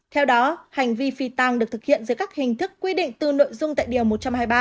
theo đó hành vi phi tăng được thực hiện dưới các hình thức quy định từ nội dung tại điều một trăm hai mươi ba